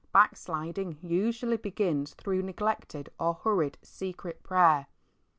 Backsliding usually begins through neglected, or hurried, secret prayer.